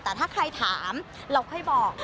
แต่ถ้าใครถามเราค่อยบอก